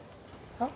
あっ。